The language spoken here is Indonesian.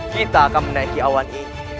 kita akan menaiki awan ini